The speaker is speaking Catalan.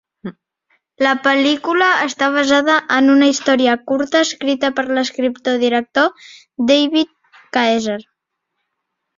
La pel·lícula està basada en una història curta escrita per l'escriptor-director David Caesar.